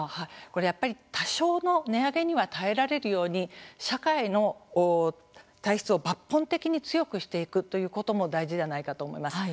これやっぱり多少の値上げには耐えられるように社会の体質を抜本的に強くしていくということも大事ではないかと思います。